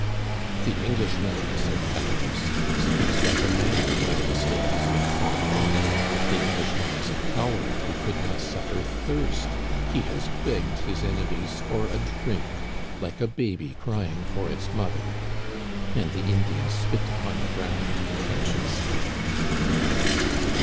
"The Englishman," said Talamousse, "speaks like a man while the stake is yet far off. The Englishman is a coward who could not suffer thirst. He has begged his enemies for a drink like a baby crying for its moth er." And the Indian spit upon the ground contempt uously.